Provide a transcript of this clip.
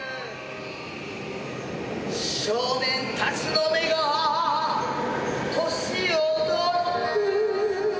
「少年たちの眼が年をとる」